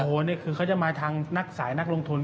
โอ้โหนี่คือเขาจะมาทางนักสายนักลงทุน